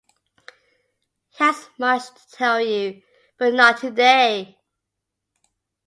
He has much to tell you, but not today.